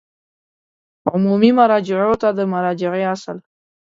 عمومي مراجعو ته د مراجعې اصل